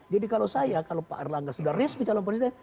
jadi kalau saya kalau pak erlangga sudah resmi calon presiden